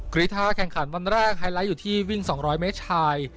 กรีธาแข่งขันวันแรกไฮไลท์อยู่ที่วิ่ง๒๐๐เมตรชาย